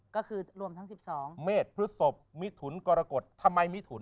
ก็คือรวมทั้ง๑๒เมษพฤศพมิถุนกรกฎทำไมมิถุน